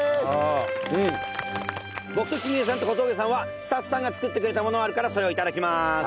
僕と君恵さんと小峠さんはスタッフさんが作ってくれたものがあるからそれを頂きます。